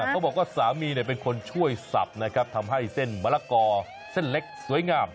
เขาบอกว่าสามีเป็นคนช่วยสับนะครับทำให้เส้นมะละกอเส้นเล็กสวยงาม